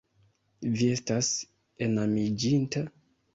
Vi estas enamiĝinta?